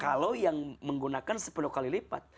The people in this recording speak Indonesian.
kalau yang menggunakan sepuluh kali lipat